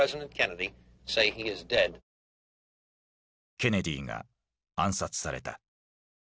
ケネディが暗殺された。